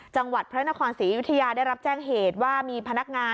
จังหวัดพระนครศรีอยุธยาได้รับแจ้งเหตุว่ามีพนักงาน